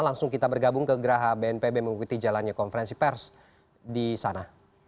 langsung kita bergabung ke geraha bnpb mengikuti jalannya konferensi pers di sana